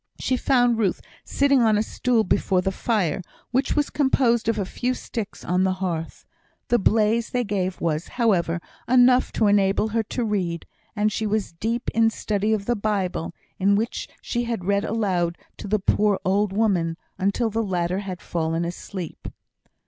She found Ruth sitting on a stool before the fire, which was composed of a few sticks on the hearth. The blaze they gave was, however, enough to enable her to read; and she was deep in study of the Bible, in which she had read aloud to the poor old woman, until the latter had fallen asleep.